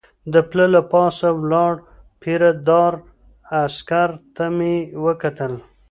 د پله له پاسه ولاړ پیره دار عسکر ته مې وکتل.